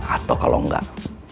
atau kalau nggak